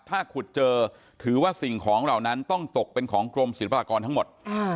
ถ้าขุดเจอถือว่าสิ่งของเหล่านั้นต้องตกเป็นของกรมศิลปากรทั้งหมด